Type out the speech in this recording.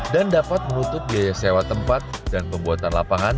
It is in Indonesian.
dan dapat menutup biaya sewa tempat dan pembuatan lapangan